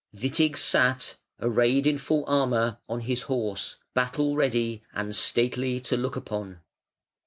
Witig sate, arrayed in full armour, on his horse, battle ready and stately to look upon.